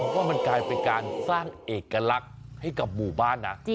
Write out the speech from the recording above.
ว่ามันกลายเป็นการสร้างเอกลักษณ์ให้กับหมู่บ้านนะ